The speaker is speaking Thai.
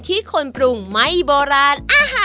ที่คนปรุงไม่โบราณ